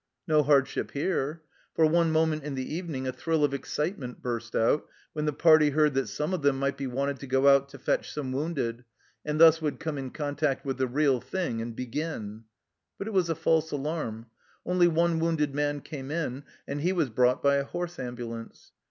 No hardship here. For one moment in the evening a thrill of excitement burst out, when the party heard that some of them might be wanted to go out to fetch some wounded, and thus would come in contact with the real thing, and " begin." But it was a false alarm ; only one wounded man came in ; and he was brought by a horse ambulance.